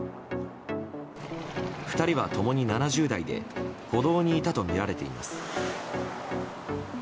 ２人は共に７０代で歩道にいたとみられています。